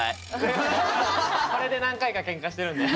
これで何回かケンカしてるんで。